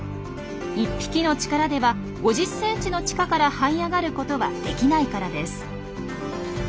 １匹の力では５０センチの地下からはい上がることはできないからです。